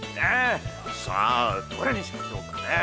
さぁどれにしましょうかね。